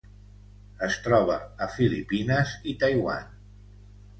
Es troba a Filipines i Taiwan.